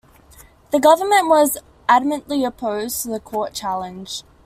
The Government was adamantly opposed to the court challenge.